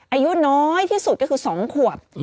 อายุน้อยที่สุดก็คือ๒ขวบ